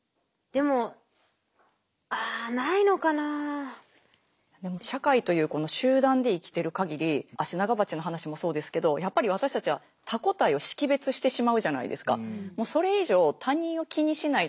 でも社会というこの集団で生きてるかぎりアシナガバチの話もそうですけどやっぱり私たちは他個体を識別してしまうじゃないですか。